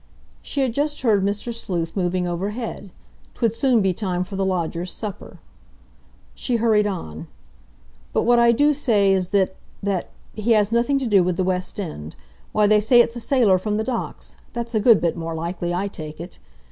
She had just heard Mr. Sleuth moving overhead. 'Twould soon be time for the lodger's supper. She hurried on: "But what I do say is that—that—he has nothing to do with the West End. Why, they say it's a sailor from the Docks—that's a good bit more likely, I take it.